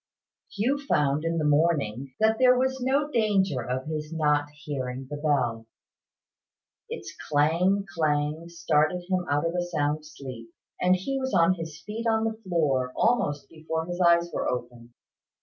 Hugh found, in the morning, that there was no danger of his not hearing the bell. Its clang clang startled him out of a sound sleep; and he was on his feet on the floor almost before his eyes were open.